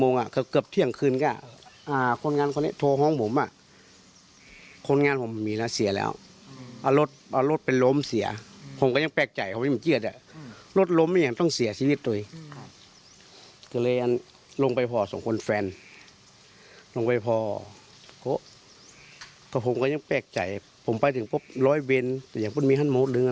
ผมไปถึงปุ๊บร้อยเวียนแต่อย่างพูดมีฮันโมทนึงกันครับเนาะ